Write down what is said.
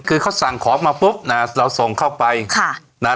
คือเขาสั่งของมาปุ๊บนะเราส่งเข้าไปค่ะนะฮะ